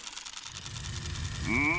うん！